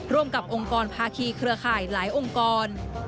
ร่วมกับองค์กรภาคีเครือข่ายหลายองค์กร